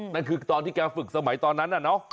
นั่นคือตอนที่แกฝึกสมัยตอนนั้นน่ะเนอะ